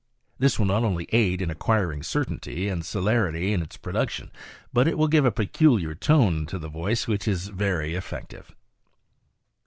This will not only aid in acquiring certainty and celerity in its production, but it will give a peculiar tone to the voice which is very effective.